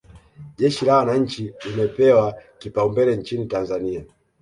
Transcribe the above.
jeshi la wananchi limepewa kipaumbele nchi tanzania